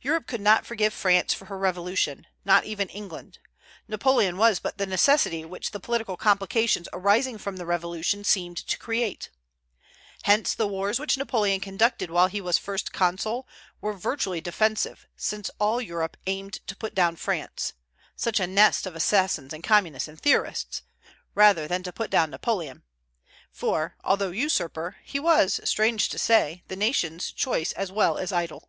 Europe could not forgive France for her Revolution, not even England; Napoleon was but the necessity which the political complications arising from the Revolution seemed to create. Hence, the wars which Napoleon conducted while he was First Consul were virtually defensive, since all Europe aimed to put down France, such a nest of assassins and communists and theorists! rather than to put down Napoleon; for, although usurper, he was, strange to say, the nation's choice as well as idol.